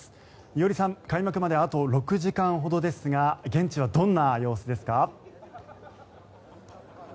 伊従さん、開幕まであと６時間ほどですが現地はどんな様子ですか？